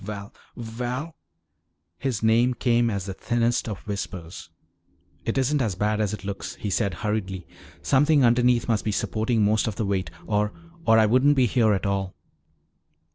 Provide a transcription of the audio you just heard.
"Val Val!" His name came as the thinnest of whispers. "It isn't as bad as it looks," he said hurriedly. "Something underneath must be supporting most of the weight or or I wouldn't be here at all."